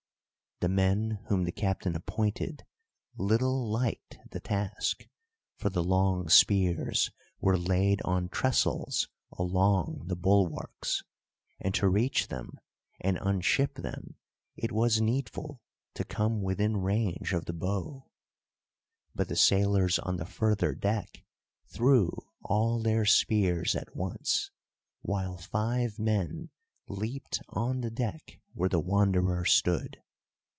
The men whom the captain appointed little liked the task, for the long spears were laid on tressels along the bulwarks, and to reach them and unship them it was needful to come within range of the bow. But the sailors on the further deck threw all their spears at once, while five men leaped on the deck where the Wanderer stood.